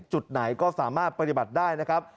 จุดไหนก็สามารถปฏิบัติได้นะครับ